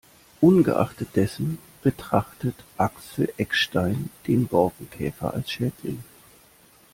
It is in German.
Ungeachtet dessen betrachtet Axel Eckstein den Borkenkäfer als Schädling.